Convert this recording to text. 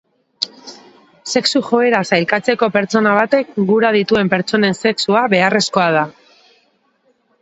Sexu-joera sailkatzeko pertsona batek gura dituen pertsonen sexua beharrezkoa da.